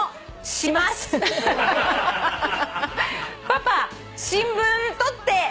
パパ新聞取って。